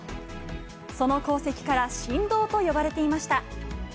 その功績から神童と呼ばれていました。